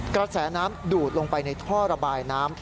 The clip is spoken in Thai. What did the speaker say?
กระแสน้ำดูดลงไปในท่อระบายน้ำ